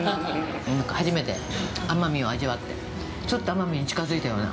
初めて、奄美を味わってちょっと奄美に近づいたような。